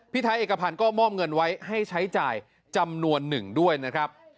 ไทยเอกพันธ์ก็มอบเงินไว้ให้ใช้จ่ายจำนวนหนึ่งด้วยนะครับ